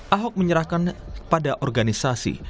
ahok menyerahkan pada organisasi